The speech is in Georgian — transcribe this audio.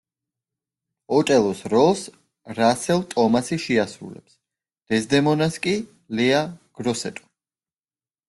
ოტელოს როლს რასელ ტომასი შეასრულებს, დეზდემონას კი – ლეა გროსეტო.